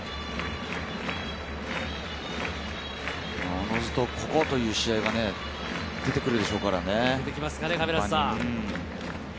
おのずとここという試合が出てくるでしょうからね。